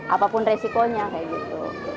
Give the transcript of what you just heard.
apapun resikonya kayak gitu